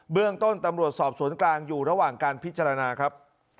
เรื่องต้นตำรวจสอบสวนกลางอยู่ระหว่างการพิจารณาครับ